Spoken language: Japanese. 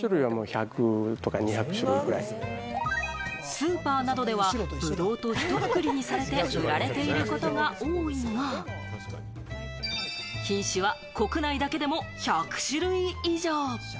スーパーなどでは、ブドウとひとくくりにされて売られていることが多いが、品種は国内だけでも１００種類以上。